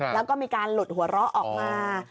แล้วก็มีการหลุดหัวเราะออกมา